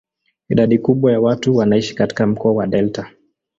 Idadi kubwa ya watu wanaishi katika mkoa wa delta.